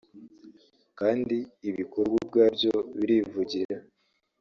kandi ibikorwa ubwabyo birivugira